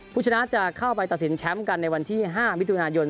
ผู้ชนะจะเข้าไปตัดสินแชมป์กันในวันที่๕มิถุนายน